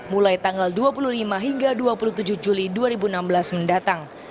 mulai tanggal dua puluh lima hingga dua puluh tujuh juli dua ribu enam belas mendatang